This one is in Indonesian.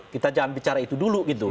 kita jangan bicara itu dulu gitu